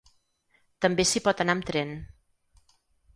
També s’hi pot anar amb tren.